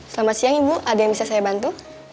selamat siang ibu ada yang bisa saya bantu